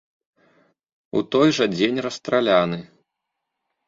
У той жа дзень расстраляны.